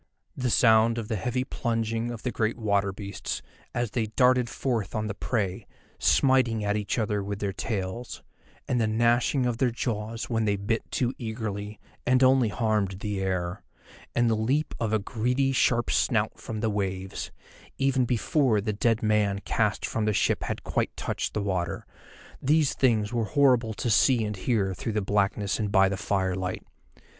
The sound of the heavy plunging of the great water beasts, as they darted forth on the prey, smiting at each other with their tails, and the gnashing of their jaws when they bit too eagerly, and only harmed the air, and the leap of a greedy sharp snout from the waves, even before the dead man cast from the ship had quite touched the water—these things were horrible to see and hear through the blackness and by the firelight.